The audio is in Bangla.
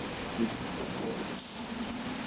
ছবিটির ক্যাপশনও শিরোনামের মতোই একটি বড় হুঁশিয়ারি।